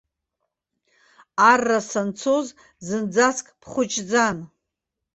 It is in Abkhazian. Арра санцоз зынӡаск бхәыҷӡан.